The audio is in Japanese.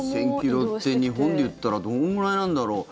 ２０００ｋｍって日本でいったらどんぐらいなんだろう。